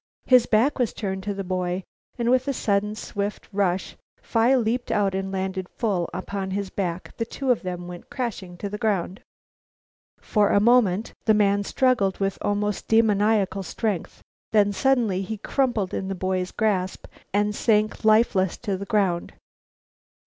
His back was turned to the boy and with a sudden, swift rush Phi leaped out and landed full upon his back. The two of them went crashing to earth. For a moment the man struggled with almost demoniacal strength, then suddenly he crumpled in the boy's grasp and sank lifeless to the ground.